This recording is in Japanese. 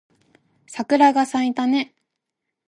桜が咲いたね